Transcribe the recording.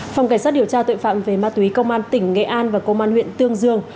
phòng cảnh sát điều tra tội phạm về ma túy công an tỉnh nghệ an và công an huyện tương dương